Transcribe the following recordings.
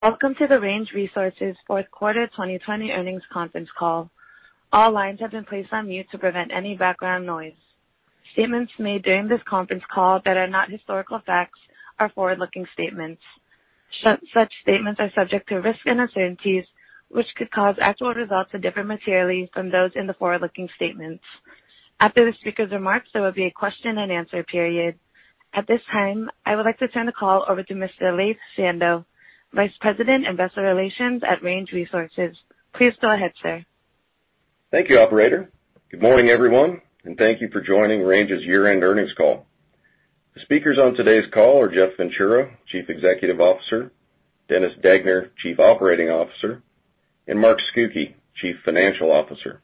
Welcome to the Range Resources fourth quarter 2020 earnings conference call. All lines have been placed on mute to prevent any background noise. Statements made during this conference call that are not historical facts are forward-looking statements. Such statements are subject to risks and uncertainties, which could cause actual results to differ materially from those in the forward-looking statements. After the speaker's remarks, there will be a question-and-answer period. At this time, I would like to turn the call over to Mr. Laith Sando, Vice President, Investor Relations at Range Resources. Please go ahead, sir. Thank you, operator. Good morning, everyone. Thank you for joining Range's year-end earnings call. The speakers on today's call are Jeff Ventura, Chief Executive Officer, Dennis Degner, Chief Operating Officer, and Mark Scucchi, Chief Financial Officer.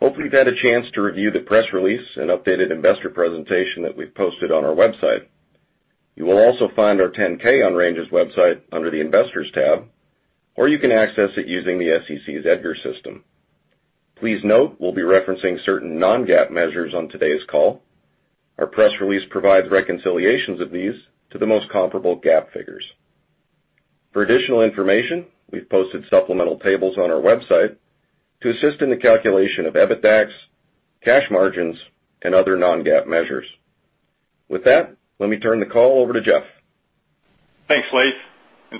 We hope you've had a chance to review the press release and updated investor presentation that we've posted on our website. You will also find our 10-K on Range's website under the investors tab, or you can access it using the SEC's EDGAR system. Please note, we'll be referencing certain non-GAAP measures on today's call. Our press release provides reconciliations of these to the most comparable GAAP figures. For additional information, we've posted supplemental tables on our website to assist in the calculation of EBITDAX, cash margins, and other non-GAAP measures. With that, let me turn the call over to Jeff. Thanks, Laith,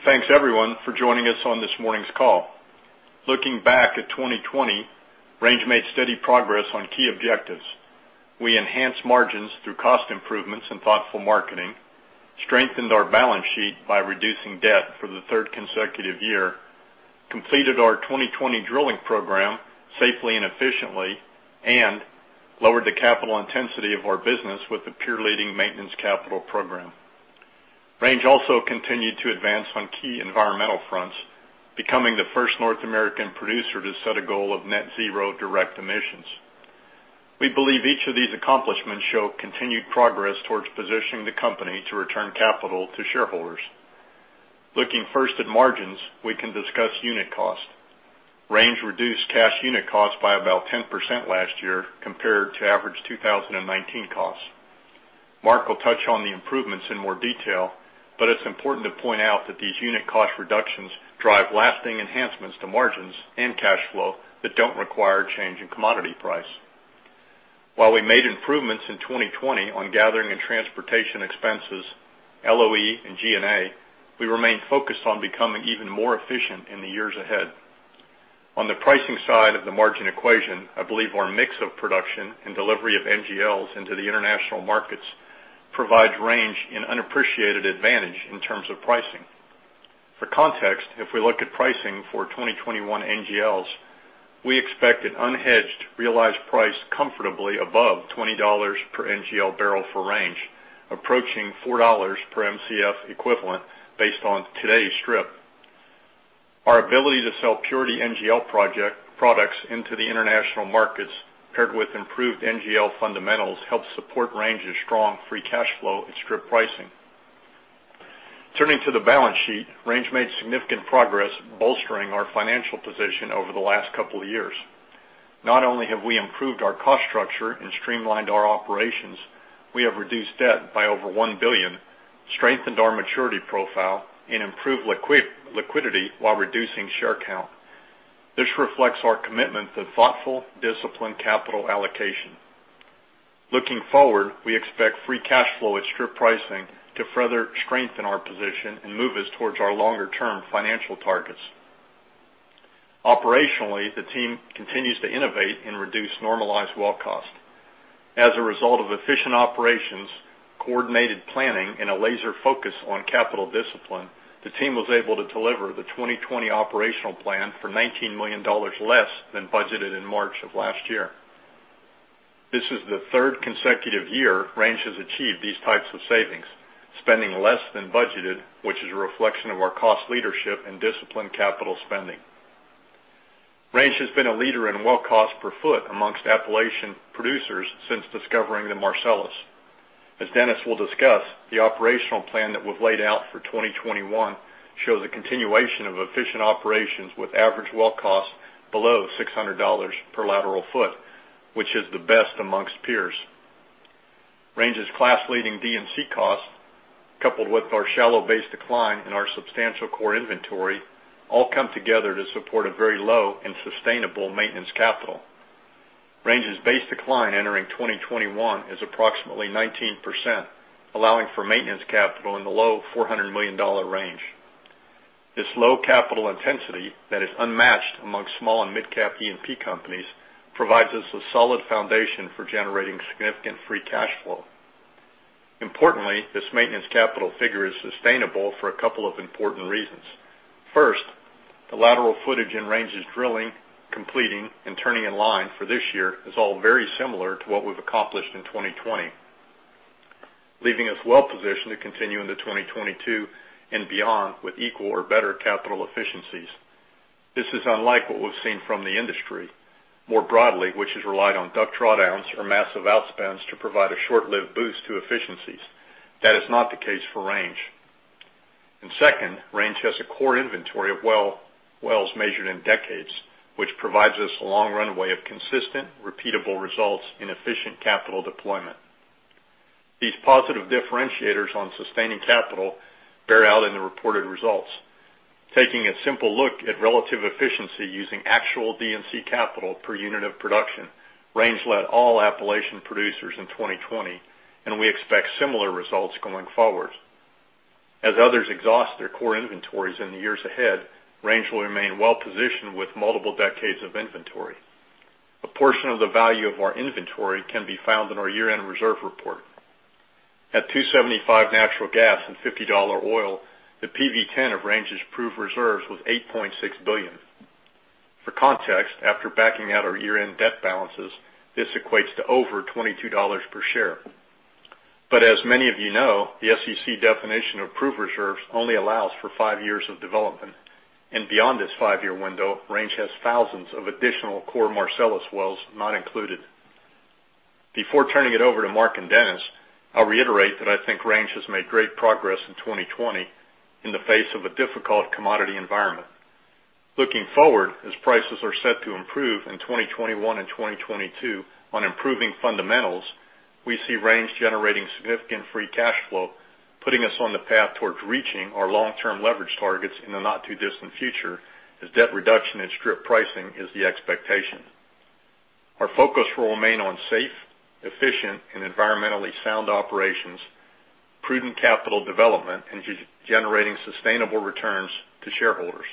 thanks everyone for joining us on this morning's call. Looking back at 2020, Range Resources made steady progress on key objectives. We enhanced margins through cost improvements and thoughtful marketing, strengthened our balance sheet by reducing debt for the third consecutive year, completed our 2020 drilling program safely and efficiently, and lowered the capital intensity of our business with the peer-leading maintenance capital program. Range Resources also continued to advance on key environmental fronts, becoming the first North American producer to set a goal of net zero direct emissions. We believe each of these accomplishments show continued progress towards positioning the company to return capital to shareholders. Looking first at margins, we can discuss unit cost. Range Resources reduced cash unit cost by about 10% last year compared to average 2019 costs. Mark will touch on the improvements in more detail, but it's important to point out that these unit cost reductions drive lasting enhancements to margins and cash flow that don't require a change in commodity price. While we made improvements in 2020 on gathering and transportation expenses, LOE, and G&A, we remain focused on becoming even more efficient in the years ahead. On the pricing side of the margin equation, I believe our mix of production and delivery of NGLs into the international markets provides Range an unappreciated advantage in terms of pricing. For context, if we look at pricing for 2021 NGLs, we expect an unhedged realized price comfortably above $20 per NGL barrel for Range, approaching $4 per MCF equivalent based on today's strip. Our ability to sell purity NGL products into the international markets, paired with improved NGL fundamentals, helps support Range's strong free cash flow and strip pricing. Turning to the balance sheet, Range made significant progress bolstering our financial position over the last couple of years. Not only have we improved our cost structure and streamlined our operations, we have reduced debt by over $1 billion, strengthened our maturity profile, and improved liquidity while reducing share count. This reflects our commitment to thoughtful, disciplined capital allocation. Looking forward, we expect free cash flow at strip pricing to further strengthen our position and move us towards our longer-term financial targets. Operationally, the team continues to innovate and reduce normalized well cost. As a result of efficient operations, coordinated planning, and a laser focus on capital discipline, the team was able to deliver the 2020 operational plan for $19 million less than budgeted in March of last year. This is the third consecutive year Range has achieved these types of savings, spending less than budgeted, which is a reflection of our cost leadership and disciplined capital spending. Range has been a leader in well cost per foot amongst Appalachian producers since discovering the Marcellus. As Dennis will discuss, the operational plan that we've laid out for 2021 shows a continuation of efficient operations with average well cost below $600 per lateral foot, which is the best amongst peers. Range's class-leading D&C costs, coupled with our shallow base decline and our substantial core inventory, all come together to support a very low and sustainable maintenance capital. Range's base decline entering 2021 is approximately 19%, allowing for maintenance capital in the low $400 million range. This low capital intensity that is unmatched amongst small and mid-cap E&P companies provides us a solid foundation for generating significant free cash flow. Importantly, this maintenance capital figure is sustainable for a couple of important reasons. First, the lateral footage in Range's drilling, completing, and turning in line for this year is all very similar to what we've accomplished in 2020, leaving us well-positioned to continue into 2022 and beyond with equal or better capital efficiencies. This is unlike what we've seen from the industry more broadly, which has relied on debt drawdowns or massive outspends to provide a short-lived boost to efficiencies. That is not the case for Range. Second, Range has a core inventory of wells measured in decades, which provides us a long runway of consistent, repeatable results and efficient capital deployment. These positive differentiators on sustaining capital bear out in the reported results. Taking a simple look at relative efficiency using actual D&C capital per unit of production, Range led all Appalachian producers in 2020, and we expect similar results going forward. As others exhaust their core inventories in the years ahead, Range will remain well-positioned with multiple decades of inventory. A portion of the value of our inventory can be found in our year-end reserve report. At 275 natural gas and $50 oil, the PV-10 of Range's proved reserves was $8.6 billion. For context, after backing out our year-end debt balances, this equates to over $22 per share. As many of you know, the SEC definition of proved reserves only allows for five years of development, and beyond this five-year window, Range has thousands of additional core Marcellus wells not included. Before turning it over to Mark and Dennis, I'll reiterate that I think Range has made great progress in 2020 in the face of a difficult commodity environment. Looking forward, as prices are set to improve in 2021 and 2022 on improving fundamentals, we see Range generating significant free cash flow, putting us on the path towards reaching our long-term leverage targets in the not-too-distant future, as debt reduction and strip pricing is the expectation. Our focus will remain on safe, efficient, and environmentally sound operations, prudent capital development, and generating sustainable returns to shareholders.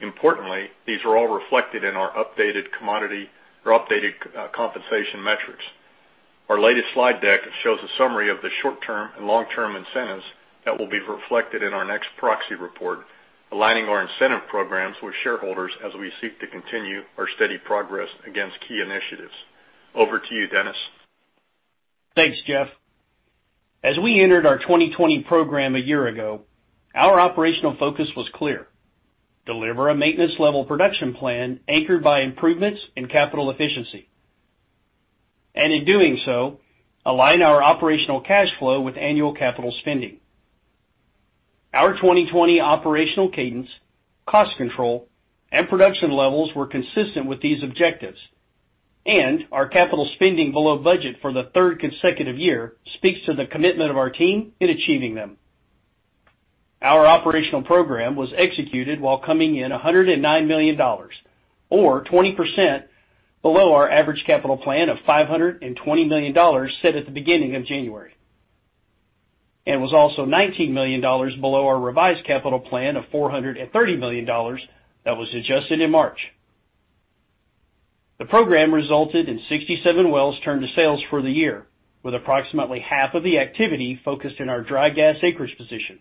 Importantly, these are all reflected in our updated commodity or updated compensation metrics. Our latest slide deck shows a summary of the short-term and long-term incentives that will be reflected in our next proxy report, aligning our incentive programs with shareholders as we seek to continue our steady progress against key initiatives. Over to you, Dennis. Thanks, Jeff. As we entered our 2020 program a year ago, our operational focus was clear, deliver a maintenance-level production plan anchored by improvements in capital efficiency. In doing so, align our operational cash flow with annual capital spending. Our 2020 operational cadence, cost control, and production levels were consistent with these objectives. Our capital spending below budget for the third consecutive year speaks to the commitment of our team in achieving them. Our operational program was executed while coming in $109 million, or 20%, below our average capital plan of $520 million set at the beginning of January. Was also $19 million below our revised capital plan of $430 million that was adjusted in March. The program resulted in 67 wells turned to sales for the year, with approximately half of the activity focused in our dry gas acreage position.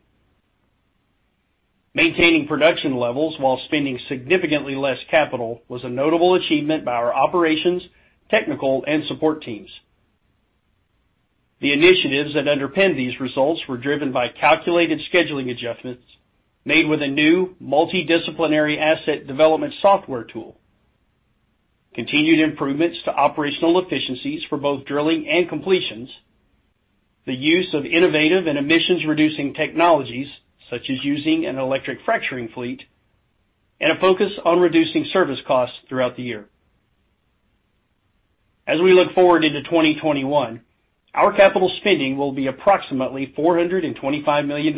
Maintaining production levels while spending significantly less capital was a notable achievement by our operations, technical, and support teams. The initiatives that underpinned these results were driven by calculated scheduling adjustments made with a new multidisciplinary asset development software tool, continued improvements to operational efficiencies for both drilling and completions, the use of innovative and emissions-reducing technologies such as using an electric fracturing fleet, and a focus on reducing service costs throughout the year. As we look forward into 2021, our capital spending will be approximately $425 million,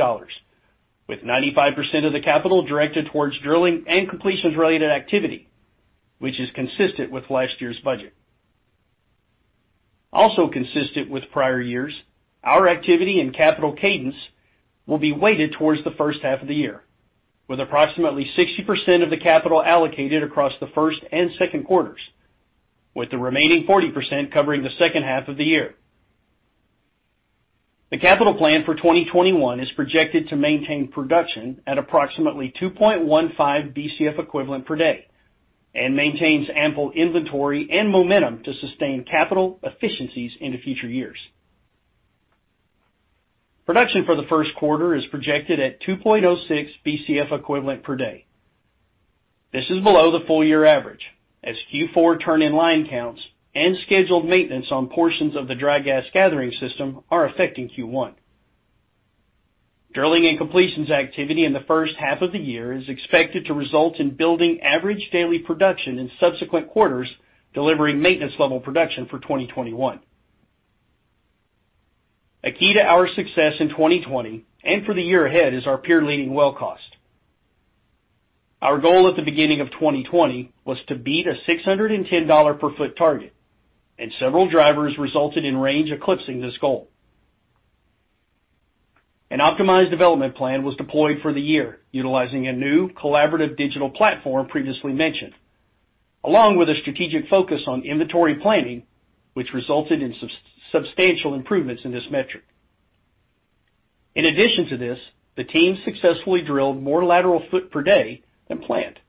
with 95% of the capital directed towards drilling and completions-related activity, which is consistent with last year's budget. Also consistent with prior years, our activity and capital cadence will be weighted towards the first half of the year, with approximately 60% of the capital allocated across the first and second quarters, with the remaining 40% covering the second half of the year. The capital plan for 2021 is projected to maintain production at approximately 2.15 Bcf equivalent per day and maintains ample inventory and momentum to sustain capital efficiencies into future years. Production for the first quarter is projected at 2.06 Bcf equivalent per day. This is below the full-year average as Q4 turn-in-line counts and scheduled maintenance on portions of the dry gas gathering system are affecting Q1. Drilling and completions activity in the first half of the year is expected to result in building average daily production in subsequent quarters, delivering maintenance-level production for 2021. A key to our success in 2020 and for the year ahead is our peer-leading well cost. Our goal at the beginning of 2020 was to beat a $610-per-foot target, and several drivers resulted in Range eclipsing this goal. An optimized development plan was deployed for the year, utilizing a new collaborative digital platform previously mentioned, along with a strategic focus on inventory planning, which resulted in substantial improvements in this metric. In addition to this, the team successfully drilled more lateral foot per day than planned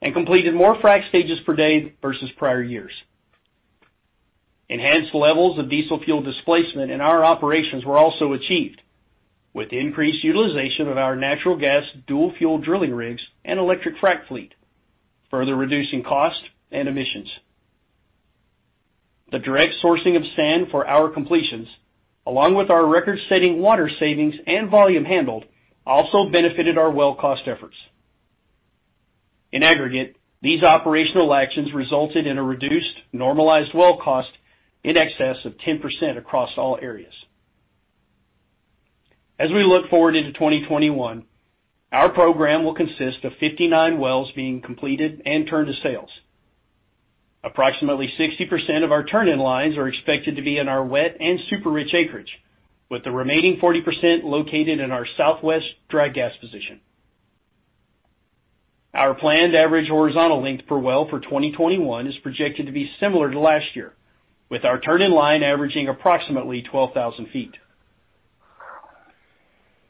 and completed more frac stages per day versus prior years. Enhanced levels of diesel fuel displacement in our operations were also achieved with increased utilization of our natural gas dual-fuel drilling rigs and electric frac fleet, further reducing cost and emissions. The direct sourcing of sand for our completions, along with our record-setting water savings and volume handled, also benefited our well cost efforts. In aggregate, these operational actions resulted in a reduced normalized well cost in excess of 10% across all areas. As we look forward into 2021, our program will consist of 59 wells being completed and turned to sales. Approximately 60% of our turn-in-lines are expected to be in our wet and super-rich acreage, with the remaining 40% located in our Southwest dry gas position. Our planned average horizontal length per well for 2021 is projected to be similar to last year, with our turn-in-line averaging approximately 12,000 ft.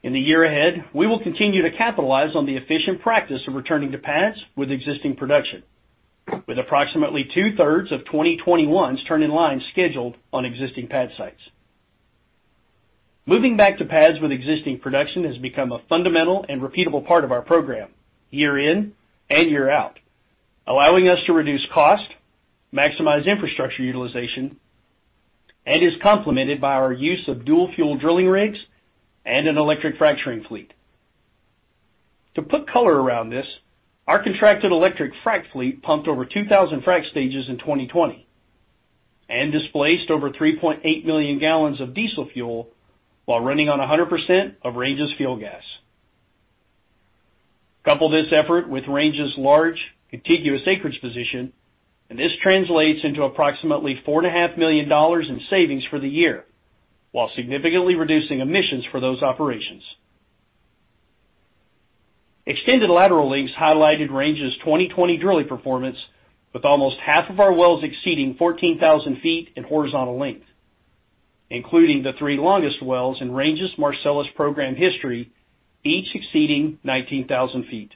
In the year ahead, we will continue to capitalize on the efficient practice of returning to pads with existing production, with approximately two-thirds of 2021's turn-in-line scheduled on existing pad sites. Moving back to pads with existing production has become a fundamental and repeatable part of our program year in and year out, allowing us to reduce cost, maximize infrastructure utilization, and is complemented by our use of dual-fuel drilling rigs and an electric fracturing fleet. To put color around this, our contracted electric frac fleet pumped over 2,000 frac stages in 2020 and displaced over 3.8 million gallons of diesel fuel while running on 100% of Range's fuel gas. Couple this effort with Range's large contiguous acreage position, and this translates into approximately $4.5 million in savings for the year, while significantly reducing emissions for those operations. Extended lateral lengths highlighted Range's 2020 drilling performance with almost half of our wells exceeding 14,000 ft in horizontal length, including the three longest wells in Range's Marcellus program history, each exceeding 19,000 ft.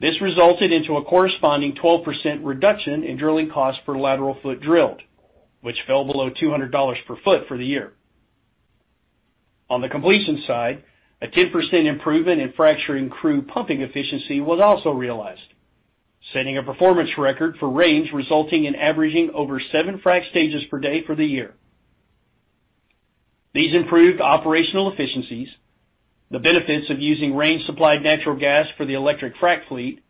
This resulted into a corresponding 12% reduction in drilling costs per lateral foot drilled, which fell below $200-per-foot for the year. On the completion side, a 10% improvement in fracturing crew pumping efficiency was also realized, setting a performance record for Range, resulting in averaging over 7 frac stages per day for the year. These improved operational efficiencies, the benefits of using Range-supplied natural gas for the electric frac fleet,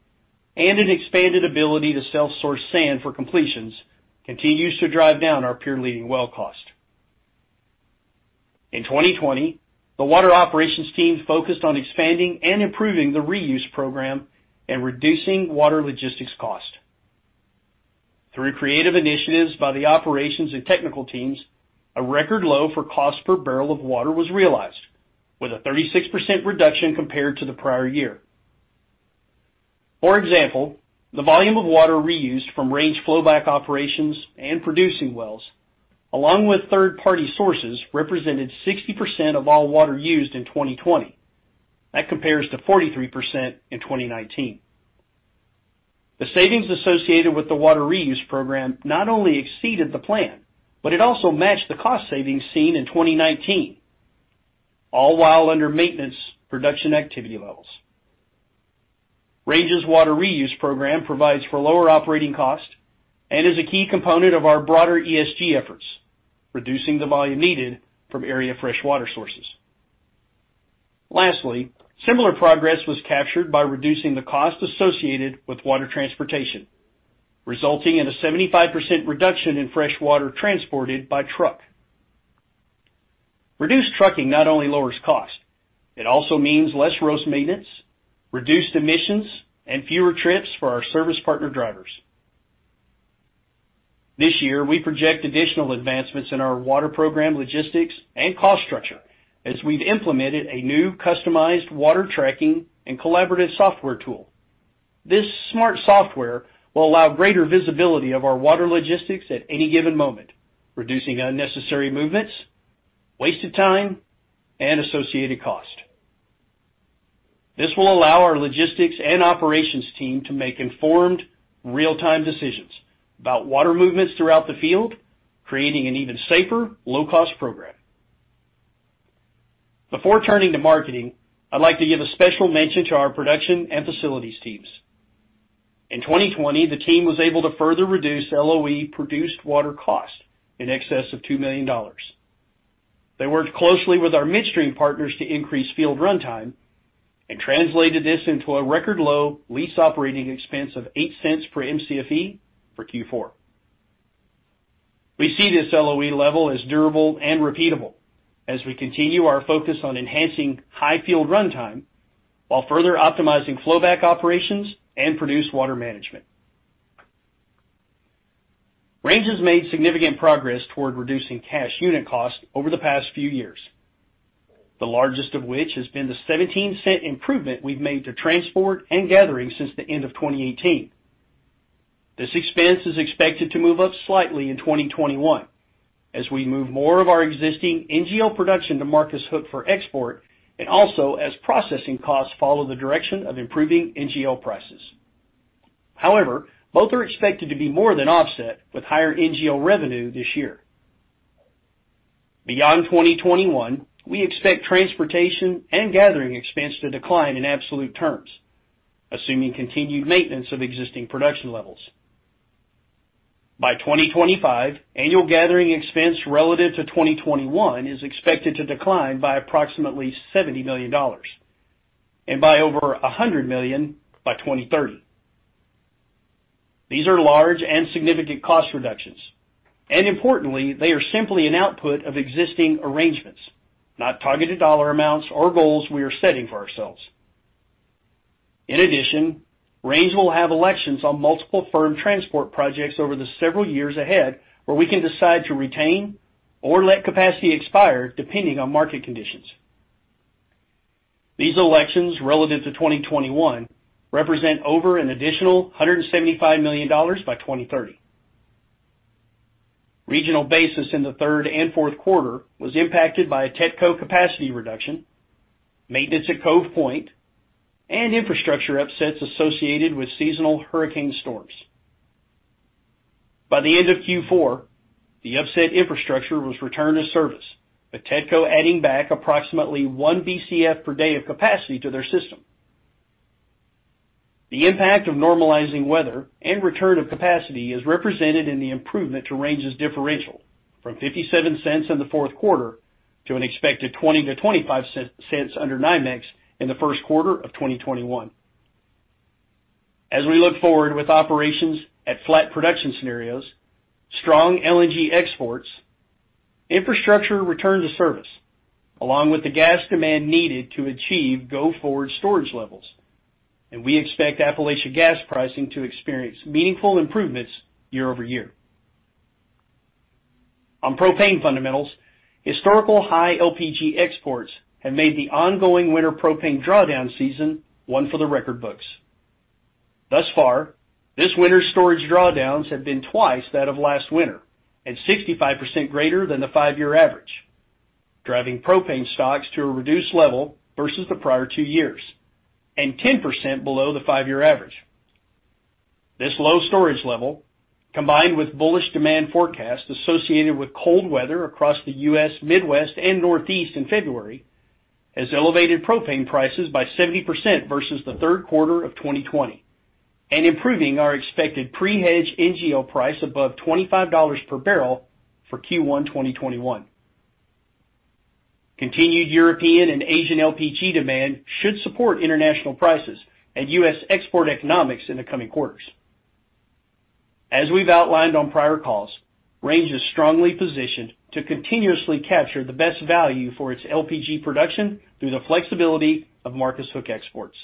and an expanded ability to self-source sand for completions continues to drive down our peer-leading well cost. In 2020, the water operations team focused on expanding and improving the reuse program and reducing water logistics cost. Through creative initiatives by the operations and technical teams, a record low for cost per barrel of water was realized, with a 36% reduction compared to the prior year. For example, the volume of water reused from Range flowback operations and producing wells, along with third-party sources, represented 60% of all water used in 2020. That compares to 43% in 2019. The savings associated with the water reuse program not only exceeded the plan, but it also matched the cost savings seen in 2019, all while under maintenance production activity levels. Range's water reuse program provides for lower operating costs and is a key component of our broader ESG efforts, reducing the volume needed from area freshwater sources. Lastly, similar progress was captured by reducing the cost associated with water transportation, resulting in a 75% reduction in fresh water transported by truck. Reduced trucking not only lowers cost, it also means less road maintenance, reduced emissions, and fewer trips for our service partner drivers. This year, we project additional advancements in our water program logistics and cost structure as we've implemented a new customized water tracking and collaborative software tool. This smart software will allow greater visibility of our water logistics at any given moment, reducing unnecessary movements, wasted time, and associated cost. This will allow our logistics and operations team to make informed real-time decisions about water movements throughout the field, creating an even safer, low-cost program. Before turning to marketing, I'd like to give a special mention to our production and facilities teams. In 2020, the team was able to further reduce LOE produced water cost in excess of $2 million. They worked closely with our midstream partners to increase field runtime and translated this into a record low lease operating expense of $0.08 per Mcfe for Q4. We see this LOE level as durable and repeatable as we continue our focus on enhancing high field runtime while further optimizing flowback operations and produced water management. Range has made significant progress toward reducing cash unit cost over the past few years. The largest of which has been the $0.17 improvement we've made to transport and gathering since the end of 2018. This expense is expected to move up slightly in 2021 as we move more of our existing NGL production to Marcus Hook for export, and also as processing costs follow the direction of improving NGL prices. However, both are expected to be more than offset with higher NGL revenue this year. Beyond 2021, we expect transportation and gathering expense to decline in absolute terms, assuming continued maintenance of existing production levels. By 2025, annual gathering expense relative to 2021 is expected to decline by approximately $70 million, and by over $100 million by 2030. These are large and significant cost reductions. Importantly, they are simply an output of existing arrangements, not targeted dollar amounts or goals we are setting for ourselves. In addition, Range will have elections on multiple firm transport projects over the several years ahead where we can decide to retain or let capacity expire depending on market conditions. These elections relative to 2021 represent over an additional $175 million by 2030. Regional basis in the third and fourth quarter was impacted by a TETCO capacity reduction, maintenance at Cove Point, and infrastructure upsets associated with seasonal hurricane storms. By the end of Q4, the upset infrastructure was returned to service, with TETCO adding back approximately one Bcf per day of capacity to their system. The impact of normalizing weather and return of capacity is represented in the improvement to Range's differential from $0.57 in the fourth quarter to an expected $0.20-$0.25 under NYMEX in the first quarter of 2021. As we look forward with operations at flat production scenarios, strong LNG exports, infrastructure return to service, along with the gas demand needed to achieve go-forward storage levels, and we expect Appalachian gas pricing to experience meaningful improvements year-over-year. On propane fundamentals, historical high LPG exports have made the ongoing winter propane drawdown season one for the record books. Thus far, this winter's storage drawdowns have been twice that of last winter and 65% greater than the five-year average, driving propane stocks to a reduced level versus the prior two years, and 10% below the five-year average. This low storage level, combined with bullish demand forecasts associated with cold weather across the U.S. Midwest and Northeast in February, has elevated propane prices by 70% versus the third quarter of 2020, and improving our expected pre-hedge NGL price above $25 per barrel for Q1 2021. Continued European and Asian LPG demand should support international prices and U.S. export economics in the coming quarters. As we've outlined on prior calls, Range is strongly positioned to continuously capture the best value for its LPG production through the flexibility of Marcus Hook exports.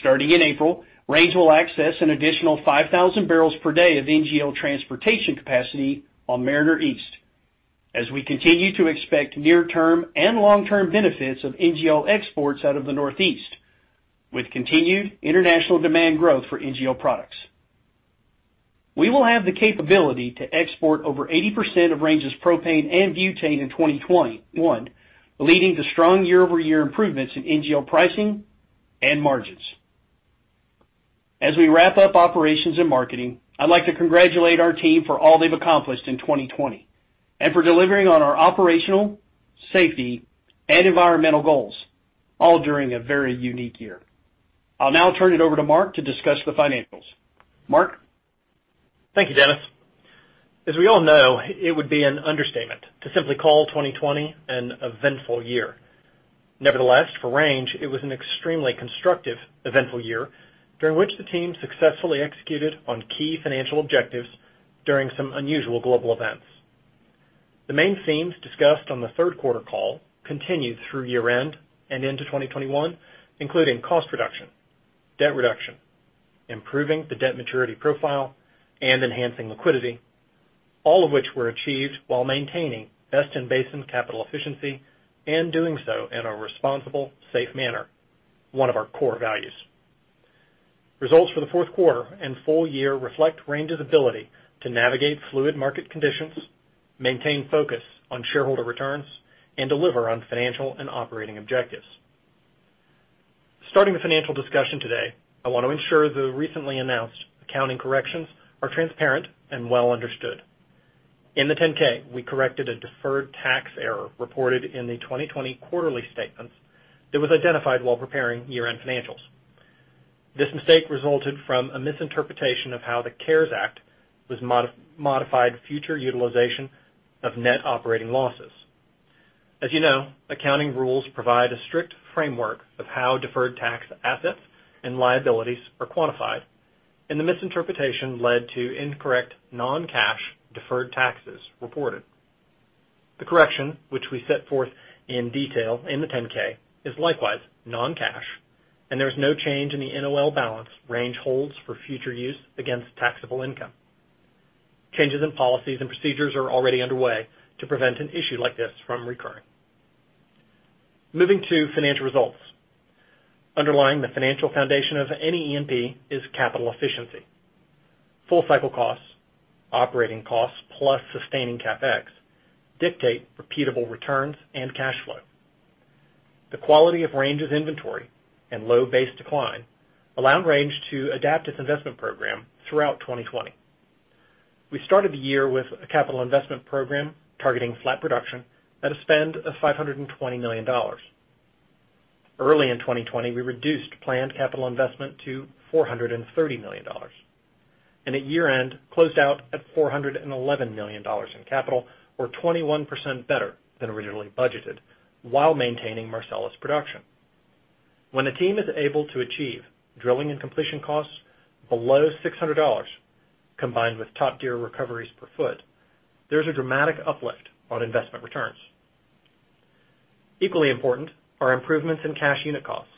Starting in April, Range will access an additional 5,000 bbl per day of NGL transportation capacity on Mariner East as we continue to expect near-term and long-term benefits of NGL exports out of the Northeast, with continued international demand growth for NGL products. We will have the capability to export over 80% of Range's propane and butane in 2021, leading to strong year-over-year improvements in NGL pricing and margins. As we wrap up operations and marketing, I'd like to congratulate our team for all they've accomplished in 2020, and for delivering on our operational, safety, and environmental goals, all during a very unique year. I'll now turn it over to Mark to discuss the financials. Mark? Thank you, Dennis. As we all know, it would be an understatement to simply call 2020 an eventful year. Nevertheless, for Range, it was an extremely constructive, eventful year during which the team successfully executed on key financial objectives during some unusual global events. The main themes discussed on the third quarter call continued through year-end and into 2021, including cost reduction, debt reduction, improving the debt maturity profile, and enhancing liquidity, all of which were achieved while maintaining best-in-basin capital efficiency and doing so in a responsible, safe manner, one of our core values. Results for the fourth quarter and full year reflect Range's ability to navigate fluid market conditions, maintain focus on shareholder returns, and deliver on financial and operating objectives. Starting the financial discussion today, I want to ensure the recently announced accounting corrections are transparent and well understood. In the 10-K, we corrected a deferred tax error reported in the 2020 quarterly statements that was identified while preparing year-end financials. This mistake resulted from a misinterpretation of how the CARES Act was modified future utilization of net operating losses. As you know, accounting rules provide a strict framework of how deferred tax assets and liabilities are quantified, and the misinterpretation led to incorrect non-cash deferred taxes reported. The correction, which we set forth in detail in the 10-K, is likewise non-cash, and there is no change in the NOL balance Range holds for future use against taxable income. Changes in policies and procedures are already underway to prevent an issue like this from recurring. Moving to financial results. Underlying the financial foundation of any E&P is capital efficiency. Full cycle costs, operating costs, plus sustaining CapEx, dictate repeatable returns and cash flow. The quality of Range's inventory and low base decline allowed Range to adapt its investment program throughout 2020. We started the year with a capital investment program targeting flat production at a spend of $520 million. Early in 2020, we reduced planned capital investment to $430 million. At year-end, closed out at $411 million in capital, or 21% better than originally budgeted while maintaining Marcellus production. When a team is able to achieve drilling and completion costs below $600, combined with top-tier recoveries per foot, there's a dramatic uplift on investment returns. Equally important are improvements in cash unit costs.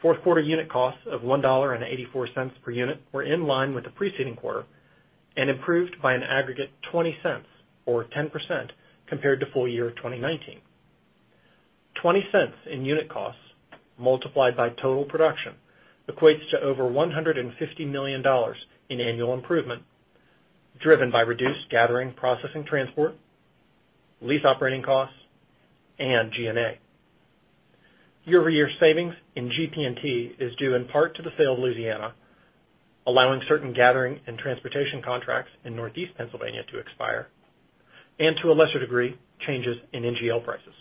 Fourth quarter unit costs of $1.84 per unit were in line with the preceding quarter and improved by an aggregate $0.20, or 10%, compared to full year 2019. $0.20 in unit costs multiplied by total production equates to over $150 million in annual improvement, driven by reduced gathering, processing transport, lease operating costs, and G&A. Year-over-year savings in GP&T is due in part to the sale of Louisiana, allowing certain gathering and transportation contracts in Northeast Pennsylvania to expire, and to a lesser degree, changes in NGL prices.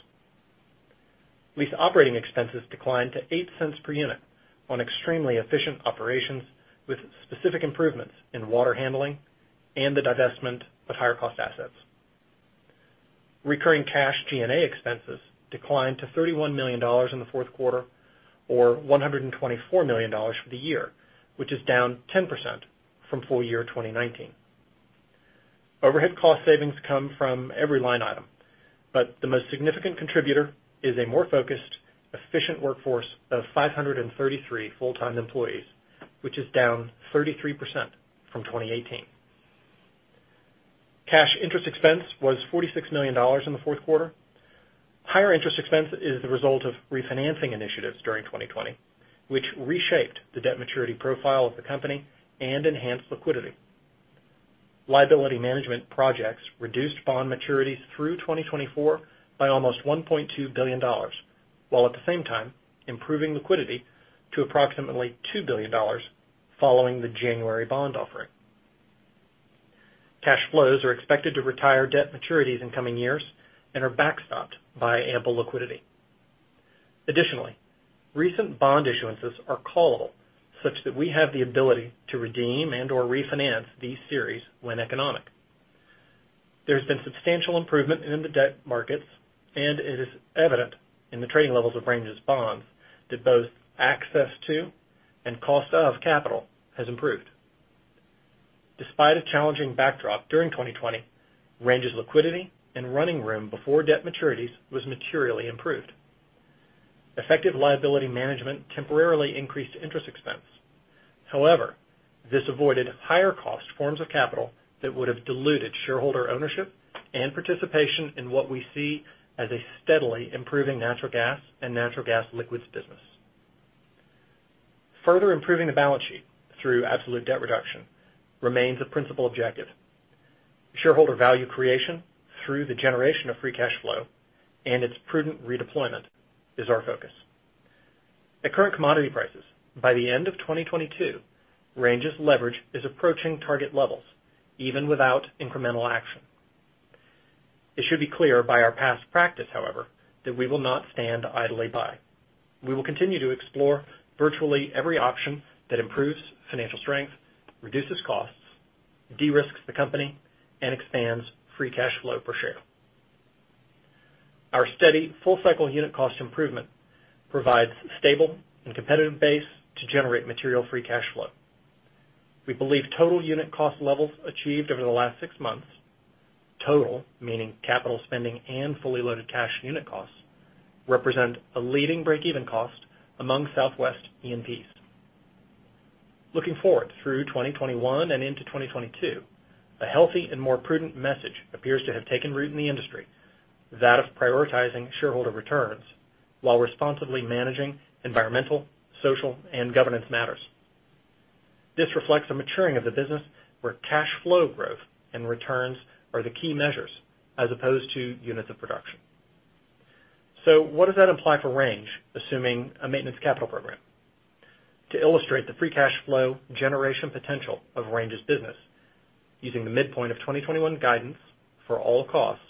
Lease operating expenses declined to $0.08 per unit on extremely efficient operations with specific improvements in water handling and the divestment of higher-cost assets. Recurring cash G&A expenses declined to $31 million in the fourth quarter, or $124 million for the year, which is down 10% from full year 2019. Overhead cost savings come from every line item, the most significant contributor is a more focused, efficient workforce of 533 full-time employees, which is down 33% from 2018. Cash interest expense was $46 million in the fourth quarter. Higher interest expense is the result of refinancing initiatives during 2020, which reshaped the debt maturity profile of the company and enhanced liquidity. Liability management projects reduced bond maturities through 2024 by almost $1.2 billion, while at the same time improving liquidity to approximately $2 billion following the January bond offering. Cash flows are expected to retire debt maturities in coming years and are backstopped by ample liquidity. Additionally, recent bond issuances are callable such that we have the ability to redeem and/or refinance these series when economic. There has been substantial improvement in the debt markets, and it is evident in the trading levels of Range's bonds that both access to and cost of capital has improved. Despite a challenging backdrop during 2020, Range's liquidity and running room before debt maturities was materially improved. Effective liability management temporarily increased interest expense. However, this avoided higher-cost forms of capital that would have diluted shareholder ownership and participation in what we see as a steadily improving natural gas and natural gas liquids business. Further improving the balance sheet through absolute debt reduction remains a principal objective. Shareholder value creation through the generation of free cash flow and its prudent redeployment is our focus. At current commodity prices, by the end of 2022, Range's leverage is approaching target levels even without incremental action. It should be clear by our past practice, however, that we will not stand idly by. We will continue to explore virtually every option that improves financial strength, reduces costs, de-risks the company, and expands free cash flow per share. Our steady full-cycle unit cost improvement provides stable and competitive base to generate material free cash flow. We believe total unit cost levels achieved over the last six months, total meaning capital spending and fully loaded cash unit costs, represent a leading break-even cost among Southwest E&Ps. Looking forward through 2021 and into 2022, a healthy and more prudent message appears to have taken root in the industry, that of prioritizing shareholder returns while responsibly managing environmental, social, and governance matters. This reflects a maturing of the business where cash flow growth and returns are the key measures as opposed to units of production. What does that imply for Range, assuming a maintenance capital program? To illustrate the free cash flow generation potential of Range's business, using the midpoint of 2021 guidance for all costs,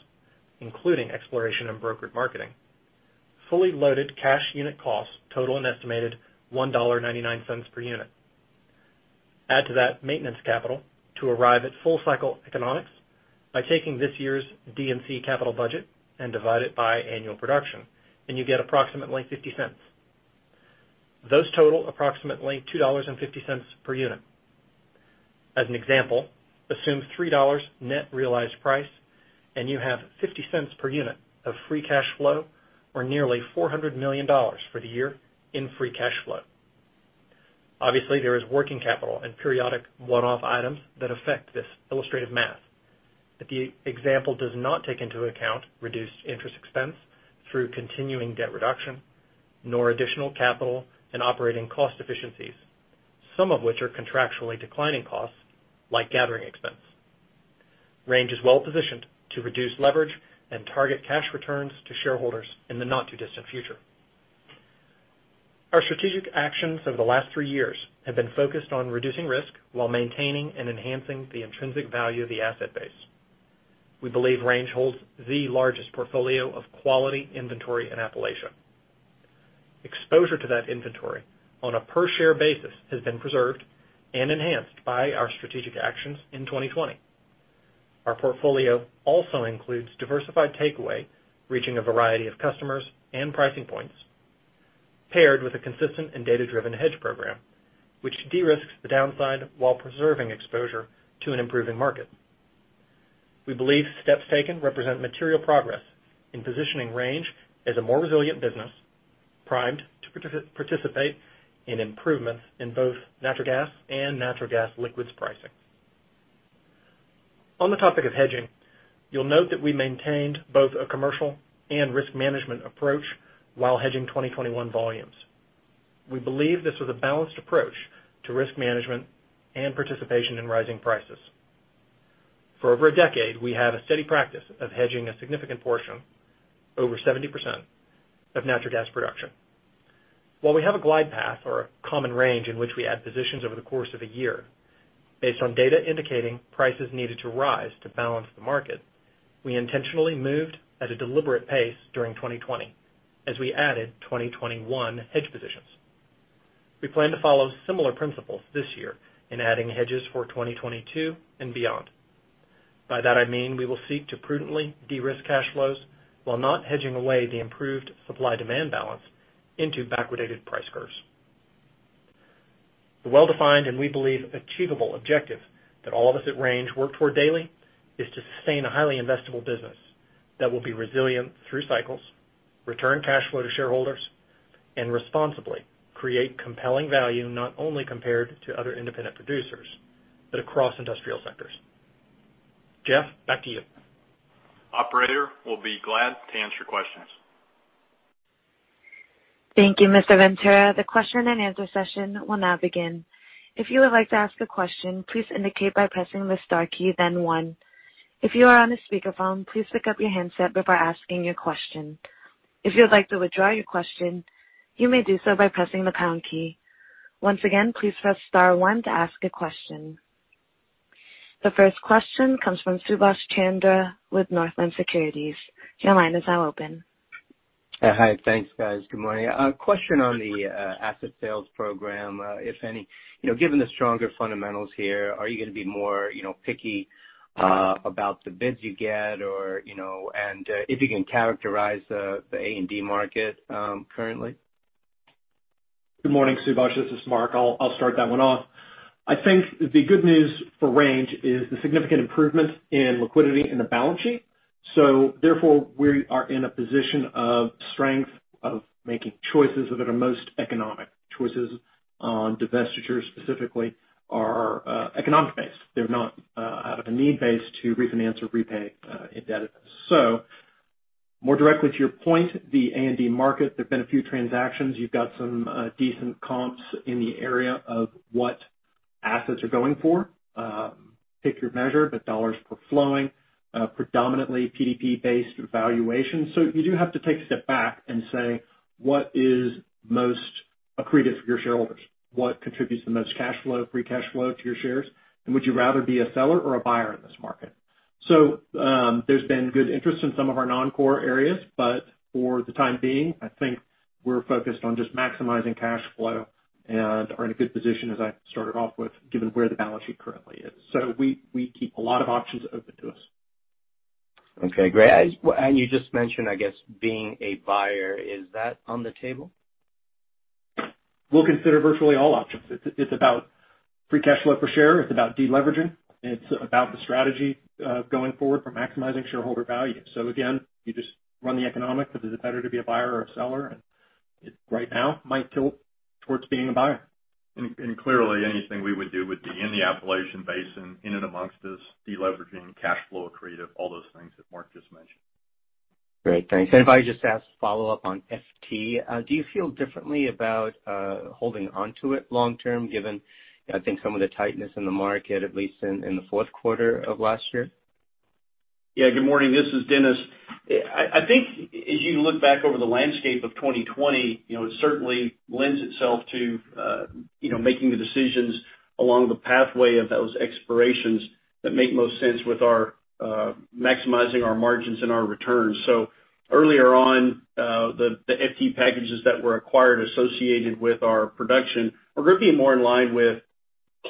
including exploration and brokered marketing, fully loaded cash unit costs total an estimated $1.99 per unit. Add to that maintenance capital to arrive at full cycle economics by taking this year's D&C capital budget and divide it by annual production, you get approximately $0.50. Those total approximately $2.50 per unit. As an example, assume $3 net realized price, you have $0.50 per unit of free cash flow or nearly $400 million for the year in free cash flow. Obviously, there is working capital and periodic one-off items that affect this illustrative math. The example does not take into account reduced interest expense through continuing debt reduction, nor additional capital and operating cost efficiencies, some of which are contractually declining costs like gathering expense. Range is well positioned to reduce leverage and target cash returns to shareholders in the not-too-distant future. Our strategic actions over the last three years have been focused on reducing risk while maintaining and enhancing the intrinsic value of the asset base. We believe Range holds the largest portfolio of quality inventory in Appalachia. Exposure to that inventory on a per share basis has been preserved and enhanced by our strategic actions in 2020. Our portfolio also includes diversified takeaway, reaching a variety of customers and pricing points, paired with a consistent and data-driven hedge program, which de-risks the downside while preserving exposure to an improving market. We believe steps taken represent material progress in positioning Range as a more resilient business, primed to participate in improvements in both natural gas and natural gas liquids pricing. On the topic of hedging, you'll note that we maintained both a commercial and risk management approach while hedging 2021 volumes. We believe this was a balanced approach to risk management and participation in rising prices. For over a decade, we have a steady practice of hedging a significant portion, over 70%, of natural gas production. While we have a glide path or a common range in which we add positions over the course of a year, based on data indicating prices needed to rise to balance the market, we intentionally moved at a deliberate pace during 2020 as we added 2021 hedge positions. We plan to follow similar principles this year in adding hedges for 2022 and beyond. By that I mean we will seek to prudently de-risk cash flows while not hedging away the improved supply-demand balance into backwardated price curves. The well-defined, and we believe, achievable objective that all of us at Range work toward daily is to sustain a highly investable business that will be resilient through cycles, return cash flow to shareholders, and responsibly create compelling value, not only compared to other independent producers, but across industrial sectors. Jeff, back to you. Operator, we'll be glad to answer questions. Thank you, Mr. Ventura. The question and answer session will now begin. If you would like to ask a question, please indicate by pressing the star key, then one. If you are on a speakerphone, please pick up your handset before asking your question. If you would like to withdraw your question, you may do so by pressing the pound key. Once again, please press star one to ask a question. The first question comes from Subash Chandra with Northland Securities. Your line is now open. Hi. Thanks, guys. Good morning. A question on the asset sales program. Given the stronger fundamentals here, are you going to be more picky about the bids you get? If you can characterize the A&D market currently. Good morning, Subash. This is Mark. I'll start that one off. I think the good news for Range is the significant improvement in liquidity in the balance sheet. Therefore, we are in a position of strength, of making choices that are the most economic. Choices on divestitures, specifically, are economic based. They're not out of a need base to refinance or repay indebtedness. More directly to your point, the A&D market, there have been a few transactions. You've got some decent comps in the area of what assets are going for. Pick your measure, but dollars per flowing, predominantly PDP-based valuations. You do have to take a step back and say, what is most accretive for your shareholders? What contributes the most cash flow, free cash flow to your shares, and would you rather be a seller or a buyer in this market? There's been good interest in some of our non-core areas, but for the time being, I think we're focused on just maximizing cash flow and are in a good position, as I started off with, given where the balance sheet currently is. We keep a lot of options open to us. Okay, great. You just mentioned, I guess, being a buyer. Is that on the table? We'll consider virtually all options. It's about free cash flow per share. It's about de-leveraging. It's about the strategy going forward for maximizing shareholder value. Again, you just run the economics of is it better to be a buyer or a seller? Right now, it might tilt towards being a buyer. Clearly anything we would do would be in the Appalachian Basin, in and amongst us, de-leveraging, cash flow accretive, all those things that Mark just mentioned. Great, thanks. If I just ask follow up on FT, do you feel differently about holding onto it long term, given, I think some of the tightness in the market, at least in the fourth quarter of last year? Yeah. Good morning. This is Dennis. I think as you look back over the landscape of 2020, it certainly lends itself to making the decisions along the pathway of those expirations that make most sense with our maximizing our margins and our returns. Earlier on, the FT packages that were acquired associated with our production are going to be more in line with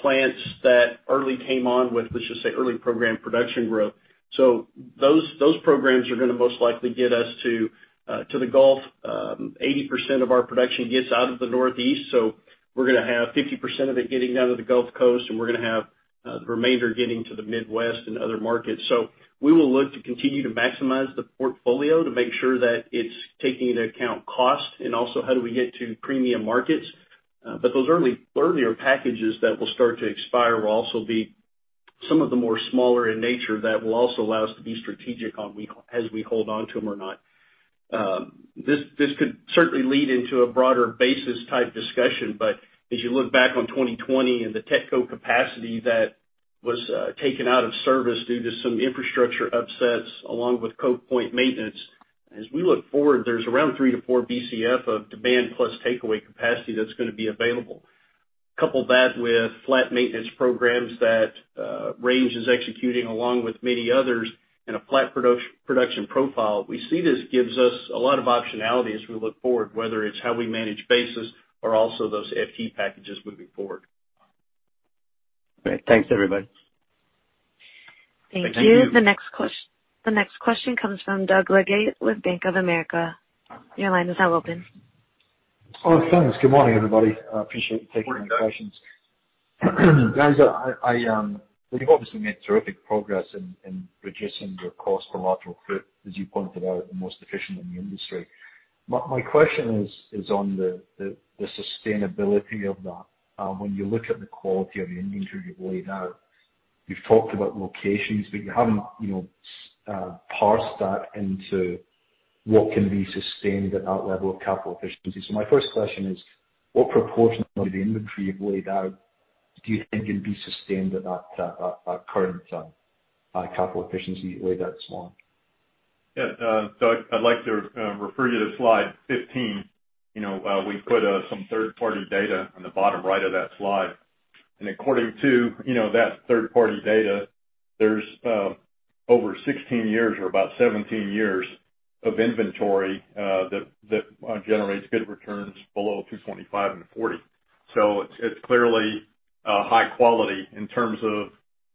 plants that early came on with, let's just say, early program production growth. Those programs are going to most likely get us to the Gulf. 80% of our production gets out of the Northeast, so we're going to have 50% of it getting down to the Gulf Coast, and we're going to have the remainder getting to the Midwest and other markets. We will look to continue to maximize the portfolio to make sure that it's taking into account cost and also how do we get to premium markets. Those earlier packages that will start to expire will also be some of the more smaller in nature that will also allow us to be strategic as we hold onto them or not. This could certainly lead into a broader basis type discussion, but as you look back on 2020 and the TETCO capacity that was taken out of service due to some infrastructure upsets along with Cove Point maintenance, as we look forward, there's around 3-4 Bcf of demand plus takeaway capacity that's going to be available. Couple that with flat maintenance programs that Range is executing along with many others, and a flat production profile. We see this gives us a lot of optionality as we look forward, whether it's how we manage basis or also those FT packages moving forward. Great. Thanks, everybody. Thank you. Thank you. The next question comes from Doug Leggate with Bank of America. Your line is now open. Oh, thanks. Good morning, everybody. I appreciate you taking my questions. Good morning, Doug. Guys, you've obviously made terrific progress in reducing your cost per lateral foot, as you pointed out, the most efficient in the industry. My question is on the sustainability of that. When you look at the quality of the inventory you've laid out, you've talked about locations, but you haven't parsed that into what can be sustained at that level of capital efficiency. My first question is, what proportion of the inventory you've laid out do you think can be sustained at that current capital efficiency laid out slide? Yeah. Doug, I'd like to refer you to slide 15. We put some third-party data on the bottom right of that slide. According to that third-party data, there's over 16 years or about 17 years of inventory, that generates good returns below $2.25 and $40. It's clearly high quality in terms of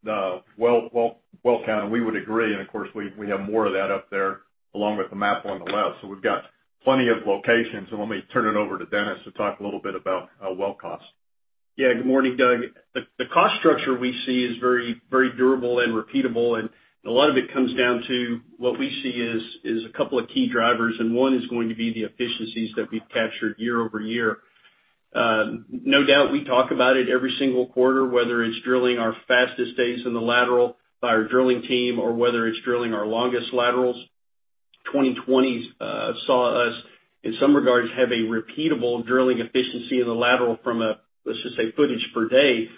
the well count, and we would agree. Of course, we have more of that up there, along with the map on the left. We've got plenty of locations. Let me turn it over to Dennis to talk a little bit about well cost. Yeah. Good morning, Doug. The cost structure we see is very durable and repeatable, a lot of it comes down to what we see is a couple of key drivers, one is going to be the efficiencies that we've captured year-over-year. No doubt, we talk about it every single quarter, whether it's drilling our fastest days in the lateral by our drilling team, or whether it's drilling our longest laterals. 2020 saw us, in some regards, have a repeatable drilling efficiency in the lateral from, let's just say, footage per day.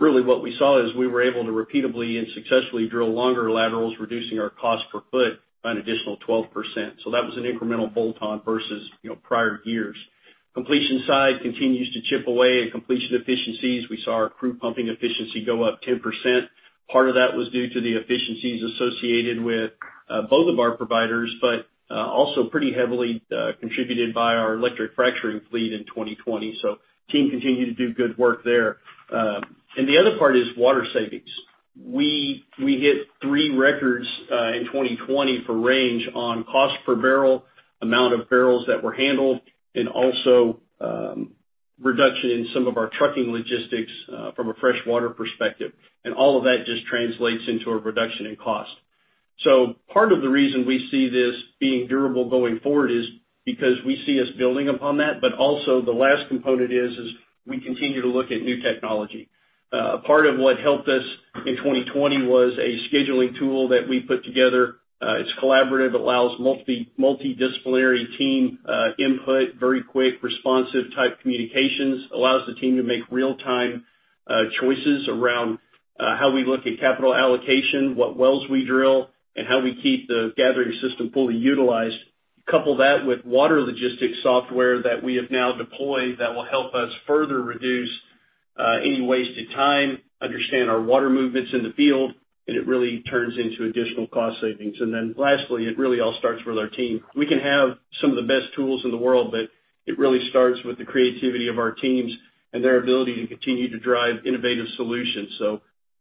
Really what we saw is we were able to repeatably and successfully drill longer laterals, reducing our cost per foot by an additional 12%. That was an incremental bolt-on versus prior years. Completion side continues to chip away at completion efficiencies. We saw our crew pumping efficiency go up 10%. Part of that was due to the efficiencies associated with both of our providers, but also pretty heavily contributed by our electric fracturing fleet in 2020. Team continued to do good work there. The other part is water savings. We hit three records in 2020 for Range on cost per barrel, amount of barrels that were handled, also reduction in some of our trucking logistics from a freshwater perspective. All of that just translates into a reduction in cost. Part of the reason we see this being durable going forward is because we see us building upon that. Also the last component is we continue to look at new technology. Part of what helped us in 2020 was a scheduling tool that we put together. It's collaborative, allows multidisciplinary team input, very quick, responsive type communications. Allows the team to make real-time choices around how we look at capital allocation, what wells we drill, and how we keep the gathering system fully utilized. Couple that with water logistics software that we have now deployed that will help us further reduce any wasted time, understand our water movements in the field, and it really turns into additional cost savings. Lastly, it really all starts with our team. We can have some of the best tools in the world, but it really starts with the creativity of our teams and their ability to continue to drive innovative solutions.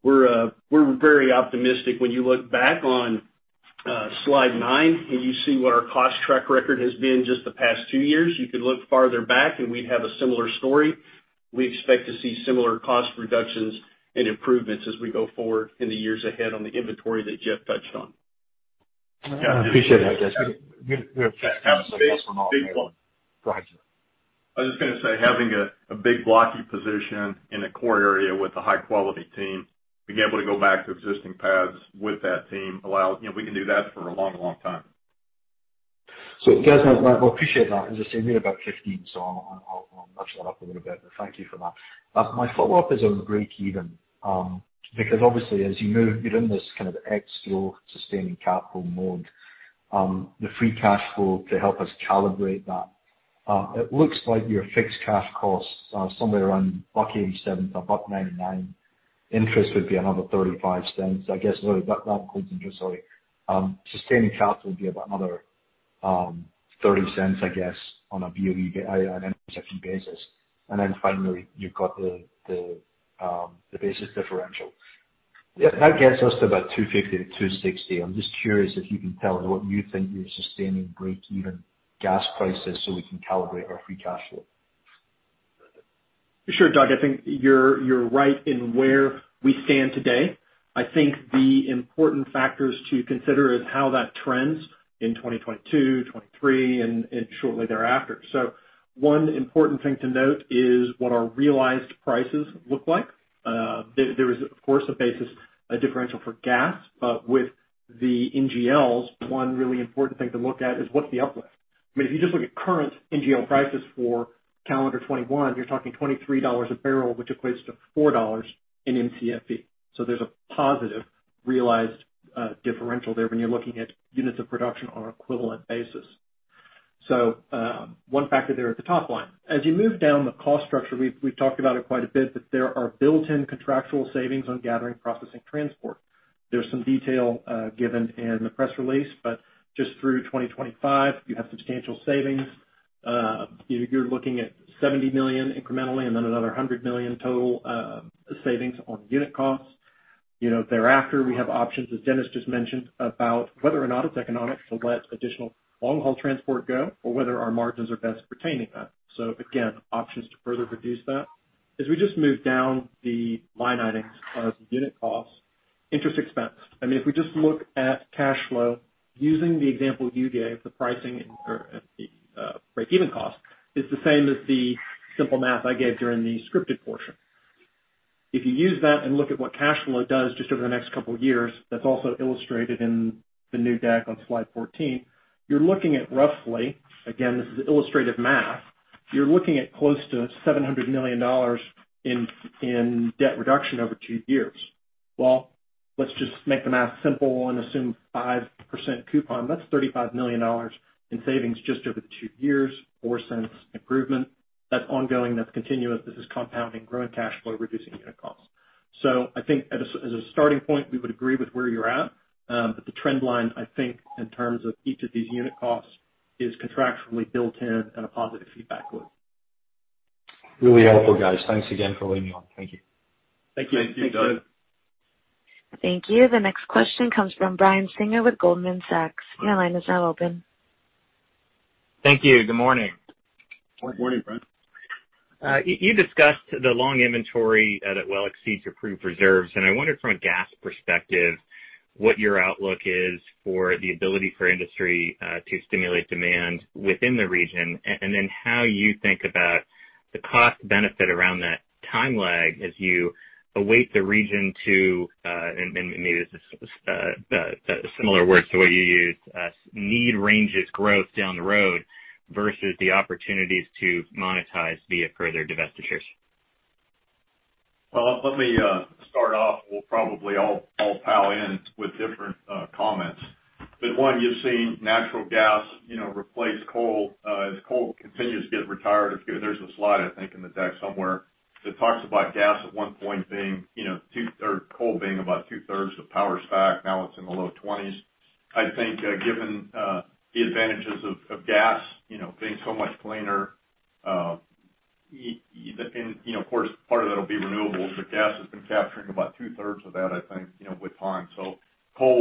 We're very optimistic. When you look back on slide nine and you see what our cost track record has been just the past two years, you could look farther back and we'd have a similar story. We expect to see similar cost reductions and improvements as we go forward in the years ahead on the inventory that Jeff touched on. I appreciate that, Jeff. We have a big blocky. Go ahead, Jeff. I was just going to say, having a big blocky position in a core area with a high-quality team, being able to go back to existing pads with that team We can do that for a long, long time. Guys, I appreciate that. As I say, we're about 15, so I'll nudge that up a little bit, but thank you for that. My follow-up is on breakeven. Obviously as you move, you're in this kind of ex-growth sustaining capital mode. The free cash flow to help us calibrate that. It looks like your fixed cash costs are somewhere around $1.87-$1.99. Interest would be another $0.35. I guess really, that includes interest, sorry. Sustaining capital would be about another $0.30, I guess, on an intersectional basis. Finally, you've got the basis differential. Yeah. That gets us to about 250-260. I'm just curious if you can tell us what you think your sustaining breakeven gas price is, so we can calibrate our free cash flow. Sure, Doug. I think you're right in where we stand today. I think the important factor to consider in trends in 2022-2023, and shortly thereafter. One important thing to note is what our realized prices look like. There is, of course, a basis, a differential for gas. With the NGLs, one really important thing to look at is what's the uplift. I mean, if you just look at current NGL prices for calendar 2021, you're talking $23 a barrel, which equates to $4 in Mcfe. There's a positive realized differential there when you're looking at units of production on an equivalent basis. One factor there at the top line. As you move down the cost structure, we've talked about it quite a bit, but there are built-in contractual savings on gathering, processing, transport. There's some detail given in the press release, but just through 2025, you have substantial savings. You're looking at $70 million incrementally, and then another $100 million total savings on unit costs. Thereafter, we have options, as Dennis just mentioned, about whether or not it's economic to let additional long-haul transport go or whether our margins are best pertaining that. Again, options to further reduce that. As we just move down the line items, unit costs, interest expense. If we just look at cash flow, using the example you gave, the pricing or the break-even cost is the same as the simple math I gave during the scripted portion. If you use that and look at what cash flow does just over the next couple of years, that's also illustrated in the new deck on slide 14. You're looking at, roughly, again, this is illustrative math, you're looking at close to $700 million in debt reduction over two years. Let's just make the math simple and assume 5% coupon. That's $35 million in savings just over the two years, $0.04 improvement. That's ongoing, that's continuous. This is compounding growing cash flow, reducing unit costs. I think as a starting point, we would agree with where you're at. The trend line, I think, in terms of each of these unit costs, is contractually built in and a positive feedback loop. Really helpful, guys. Thanks again for listening on. Thank you. Thank you. Thank you, Doug. Thank you. The next question comes from Brian Singer with Goldman Sachs. Thank you. Good morning. Good morning, Brian. You discussed the long inventory that well exceeds approved reserves, and I wondered from a gas perspective, what your outlook is for the ability for industry to stimulate demand within the region, and then how you think about the cost benefit around that time lag as you await the region to, and maybe this is similar words to what you used, need Range's growth down the road versus the opportunities to monetize via further divestitures? Well, let me start off. We'll probably all pile in with different comments. One, you've seen natural gas replace coal. As coal continues to get retired, there's a slide, I think, in the deck somewhere that talks about coal being about two-thirds of power stack. Now it's in the low 20s. I think given the advantages of gas being so much cleaner, and of course, part of that will be renewables, gas has been capturing about two-thirds of that, I think, with time. Coal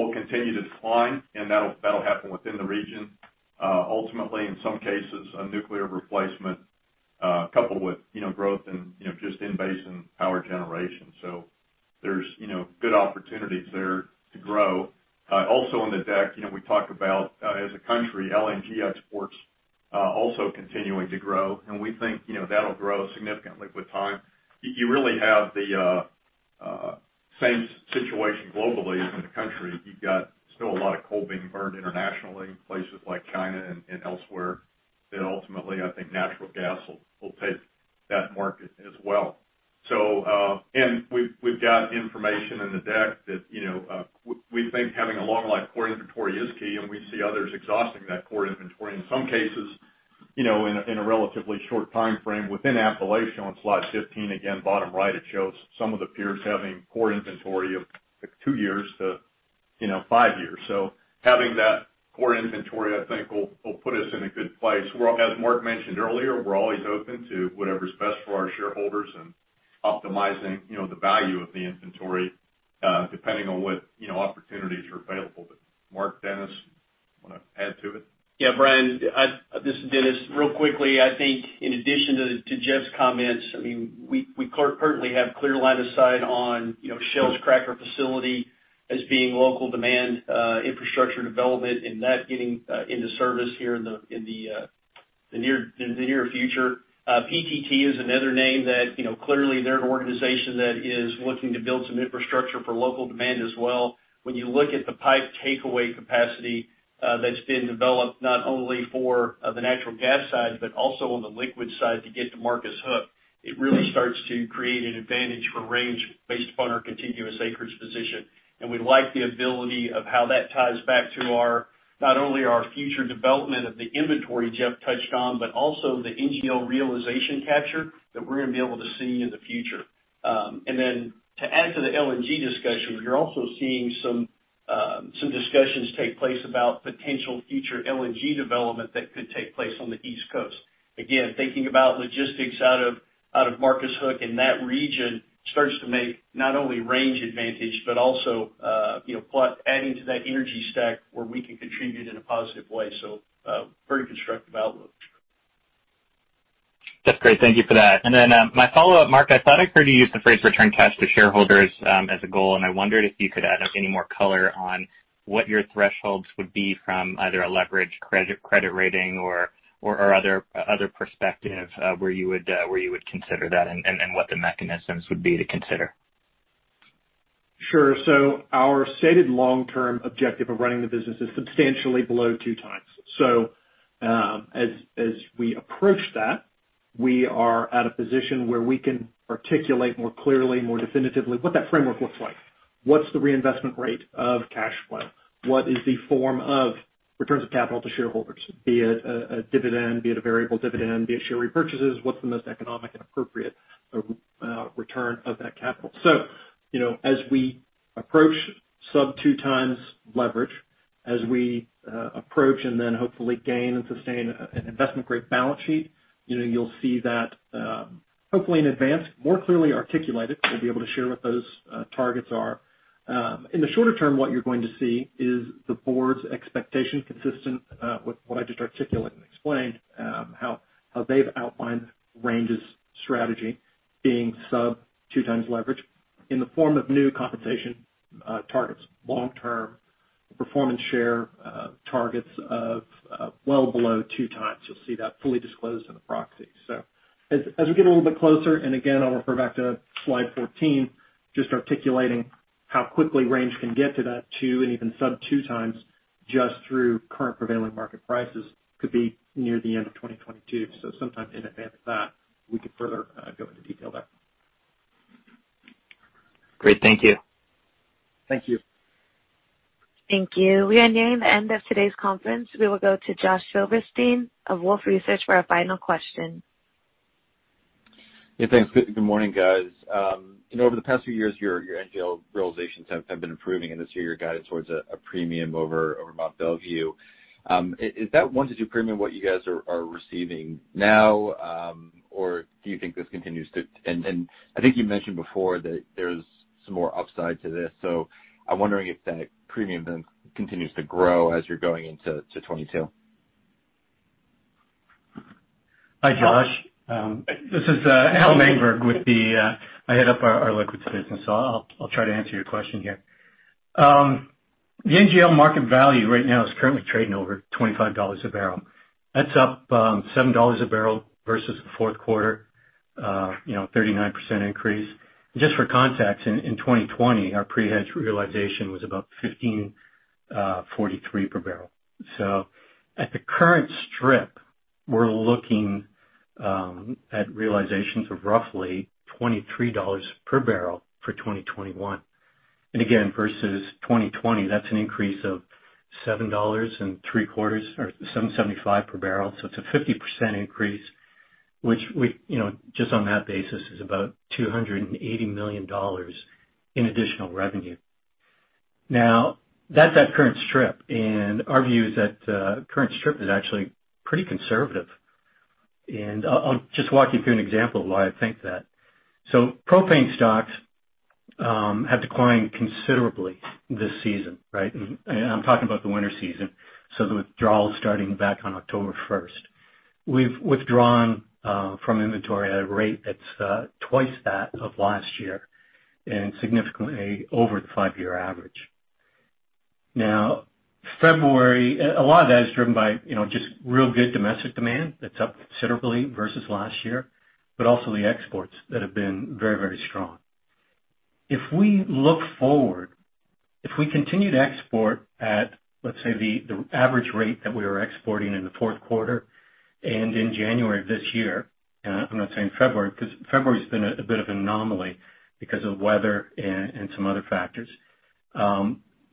will continue to decline, and that'll happen within the region. Ultimately, in some cases, a nuclear replacement, coupled with growth in just in-basin power generation. There's good opportunities there to grow. Also on the deck, we talk about, as a country, LNG exports also continuing to grow. We think that'll grow significantly with time. You really have the same situation globally as in the country. You've got still a lot of coal being burned internationally in places like China and elsewhere, that ultimately, I think natural gas will take that market as well. We've got information in the deck that we think having a long-life core inventory is key, and we see others exhausting that core inventory in some cases, in a relatively short timeframe within Appalachia. On slide 15, again, bottom right, it shows some of the peers having core inventory of two years to five years. Having that core inventory, I think, will put us in a good place. As Mark mentioned earlier, we're always open to whatever's best for our shareholders and optimizing the value of the inventory, depending on what opportunities are available. Mark, Dennis, want to add to it? Brian, this is Dennis. Real quickly, I think in addition to Jeff's comments, we currently have clear line of sight on Shell's cracker facility as being local demand infrastructure development and that getting into service here in the near future. PTT is another name that clearly they're an organization that is looking to build some infrastructure for local demand as well. When you look at the pipe takeaway capacity that's been developed not only for the natural gas side, but also on the liquid side to get to Marcus Hook, it really starts to create an advantage for Range based upon our contiguous acreage position. We like the ability of how that ties back to not only our future development of the inventory Jeff touched on, but also the NGL realization capture that we're going to be able to see in the future. To add to the LNG discussion, you're also seeing some discussions take place about potential future LNG development that could take place on the East Coast. Again, thinking about logistics out of Marcus Hook in that region starts to make not only Range advantage, but also adding to that energy stack where we can contribute in a positive way. A very constructive outlook. That's great. Thank you for that. Then my follow-up, Mark, I thought I heard you use the phrase return cash to shareholders as a goal, and I wondered if you could add any more color on what your thresholds would be from either a leverage credit rating or other perspective, where you would consider that and what the mechanisms would be to consider. Sure. Our stated long-term objective of running the business is substantially below two times. As we approach that. We are at a position where we can articulate more clearly, more definitively what that framework looks like. What's the reinvestment rate of cash flow? What is the form of returns of capital to shareholders, be it a dividend, be it a variable dividend, be it share repurchases? What's the most economic and appropriate return of that capital? As we approach sub 2x leverage, as we approach and then hopefully gain and sustain an investment-grade balance sheet, you'll see that, hopefully in advance, more clearly articulated. We'll be able to share what those targets are. In the shorter term, what you're going to see is the board's expectation, consistent with what I just articulated and explained, how they've outlined Range's strategy being sub 2x leverage in the form of new compensation targets, long-term performance share targets of well below 2x. You'll see that fully disclosed in the proxy. As we get a little bit closer, and again, I want to refer back to slide 14th, just articulating how quickly Range can get to that two and even sub 2x just through current prevailing market prices could be near the end of 2022. Sometime in advance of that, we could further go into detail there. Great. Thank you. Thank you. Thank you. We are nearing the end of today's conference. We will go to Josh Silverstein of Wolfe Research for our final question. Yeah, thanks. Good morning, guys. Over the past few years, your NGL realizations have been improving, and this year you're guided towards a premium over Mont Belvieu. Is that one to two premium what you guys are receiving now? I think you mentioned before that there's some more upside to this, so I'm wondering if that premium then continues to grow as you're going into 2022. Hi, Josh. This is Al Engberg. I head up our liquids business, so I'll try to answer your question here. The NGL market value right now is currently trading over $25 a barrel. That's up $7 a barrel versus the fourth quarter, 39% increase. Just for context, in 2020, our pre-hedge realization was about $15.43 per barrel. At the current strip, we're looking at realizations of roughly $23 per barrel for 2021. Again, versus 2020, that's an increase of $7.75 per barrel. It's a 50% increase, which just on that basis, is about $280 million in additional revenue. Now, that's at current strip, and our view is that current strip is actually pretty conservative. I'll just walk you through an example of why I think that. Propane stocks have declined considerably this season, right? I'm talking about the winter season, so the withdrawals starting back on October 1st. We've withdrawn from inventory at a rate that's twice that of last year and significantly over the five-year average. February, a lot of that is driven by just real good domestic demand that's up considerably versus last year, but also the exports that have been very, very strong. If we look forward, if we continue to export at, let's say, the average rate that we were exporting in the fourth quarter and in January of this year. I'm not saying February, because February's been a bit of anomaly because of weather and some other factors.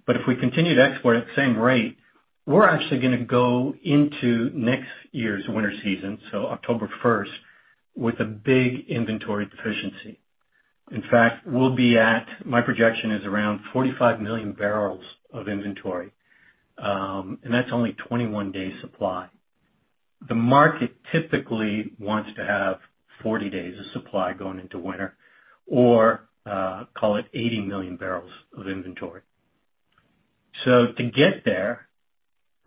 If we continue to export at the same rate, we're actually going to go into next year's winter season, so October 1st, with a big inventory deficiency. In fact, we'll be at, my projection is around 45 million barrels of inventory, that's only 21 days supply. The market typically wants to have 40 days of supply going into winter, or call it 80 million barrels of inventory. To get there,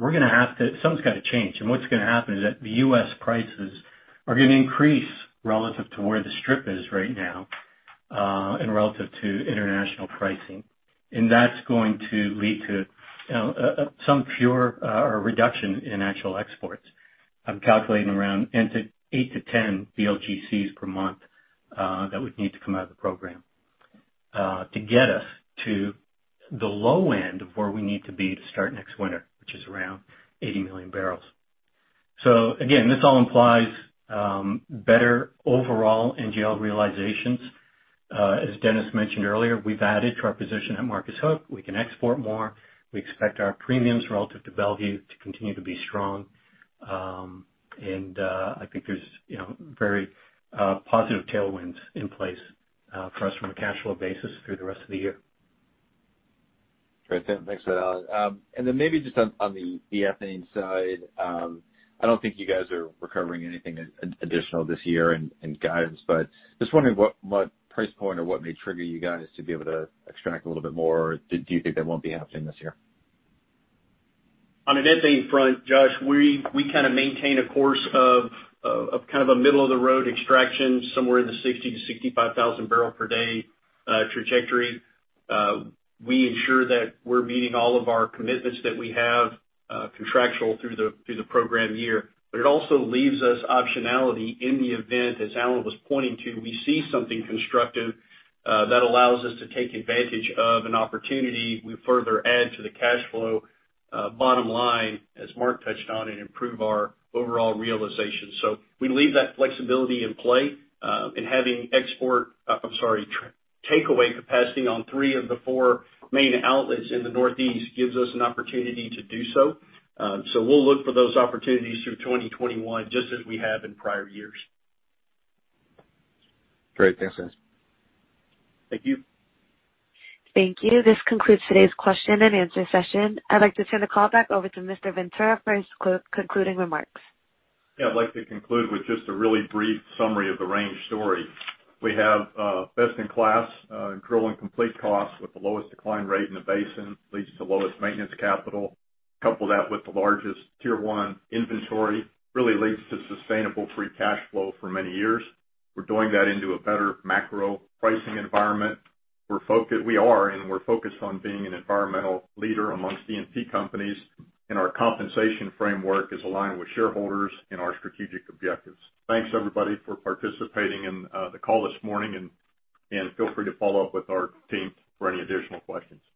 something's got to change. What's going to happen is that the U.S. prices are going to increase relative to where the strip is right now, and relative to international pricing. That's going to lead to some reduction in actual exports. I'm calculating around 8-10 VLGCs per month that would need to come out of the program to get us to the low end of where we need to be to start next winter, which is around 80 million barrels. Again, this all implies better overall NGL realizations. As Dennis mentioned earlier, we've added to our position at Marcus Hook. We can export more. We expect our premiums relative to Belvieu to continue to be strong. I think there's very positive tailwinds in place for us from a cash flow basis through the rest of the year. Great. Thanks for that, Al. Maybe just on the ethane side. I don't think you guys are recovering anything additional this year in guidance, but just wondering what price point or what may trigger you guys to be able to extract a little bit more? Do you think that won't be happening this year? On an ethane front, Josh, we kind of maintain a course of a middle-of-the-road extraction, somewhere in the 60,000-65,000 bbl per day trajectory. We ensure that we're meeting all of our commitments that we have contractual through the program year. It also leaves us optionality in the event, as Al was pointing to, we see something constructive that allows us to take advantage of an opportunity. We further add to the cash flow bottom line, as Mark touched on, and improve our overall realization. We leave that flexibility in play. Having takeaway capacity on three of the four main outlets in the Northeast gives us an opportunity to do so. We'll look for those opportunities through 2021, just as we have in prior years. Great. Thanks, Dennis. Thank you. Thank you. This concludes today's question and answer session. I'd like to turn the call back over to Mr. Ventura for his concluding remarks. Yeah, I'd like to conclude with just a really brief summary of the Range story. We have best-in-class drilling complete costs with the lowest decline rate in the basin, leads to lowest maintenance capital. Couple that with the largest Tier 1 inventory, really leads to sustainable free cash flow for many years. We're doing that into a better macro pricing environment. We are and we're focused on being an environmental leader amongst E&P companies, and our compensation framework is aligned with shareholders and our strategic objectives. Thanks everybody for participating in the call this morning, and feel free to follow up with our team for any additional questions.